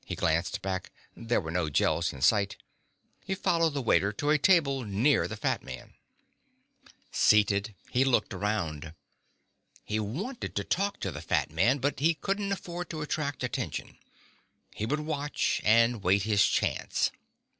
He glanced back. There were no Gels in sight. He followed the waiter to a table near the fat man. Seated, he looked around. He wanted to talk to the fat man, but he couldn't afford to attract attention. He would watch, and wait his chance.